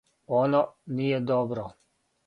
Оно није добро.